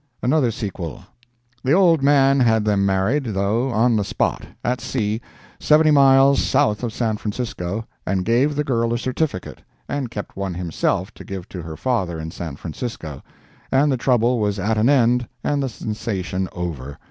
ANOTHER SEQUEL The old man had them married, though, on the spot, (at sea, 70 miles south of San Francisco,) and gave the girl a certificate, and kept one himself to give to her father in San Francisco, and the trouble was at an end and the sensation over.